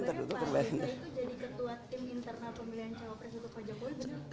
sebenarnya pak ben itu jadi ketua tim internal pemilihan cawapres itu pak jokowi benar